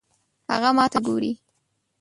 هغه ماته ګوري